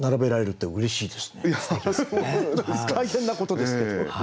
大変なことですけれども。